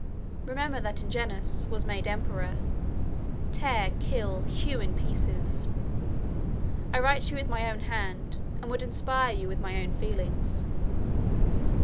166 Remember that Ingenuus was made emperor: tear, kill, hew in pieces. I write to you with my own hand, and would inspire you with my own feelings."